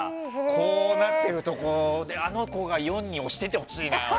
こうなってるところであの子が４に押しててほしいな。